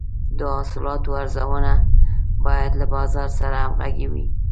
د حاصلاتو ارزونه باید له بازار سره همغږې وي.